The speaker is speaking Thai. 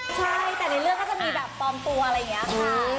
ใช่แต่ในเรื่องก็จะมีแบบปลอมตัวอะไรอย่างนี้ค่ะ